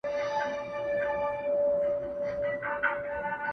o زخمي زخمي ټوټه ټوټه دي کړمه,